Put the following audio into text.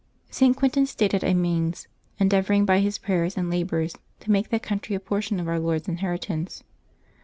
St. Quintin stayed at Amiens, endeavoring by his prayers and labors to make that country a portion of Our Lord's inheri tance.